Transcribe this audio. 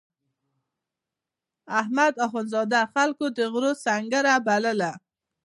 احمد اخوندزاده خلکو د غرو سنګړه بلله.